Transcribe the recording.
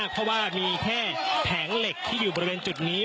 เพราะว่ามีแค่แผงเหล็กที่อยู่บริเวณจุดนี้